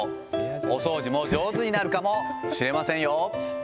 お掃除も上手になるかもしれませんよ。